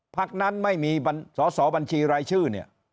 พักนั้นไม่มีสสบัญชีรายชื่อ